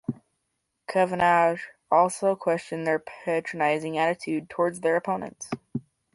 Cavanagh also questioned their "patronising" attitude towards their opponents.